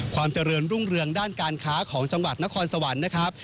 ความเจริญรุ่งเรืองด้านการค้าของจังหวัดนครสวรรค์นะครับ